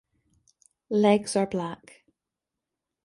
Legs are black.